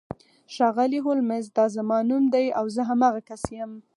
ښاغلی هولمز دا زما نوم دی او زه همغه کس یم